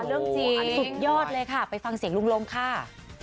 สุดยอดเลยค่ะไปฟังเสียงลุงลงค่ะ